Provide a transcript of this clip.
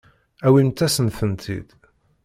Awimt-asen-tent-id.